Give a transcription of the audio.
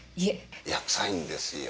いや臭いんですよ。